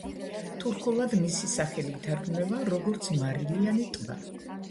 თურქულად მისი სახელი ითარგმნება, როგორც „მარილიანი ტბა“.